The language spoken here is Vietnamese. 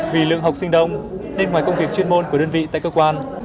vì lượng học sinh đông nên ngoài công việc chuyên môn của đơn vị tại cơ quan